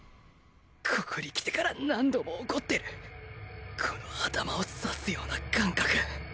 ここに来てから何度も起こってるこの頭を刺すような感覚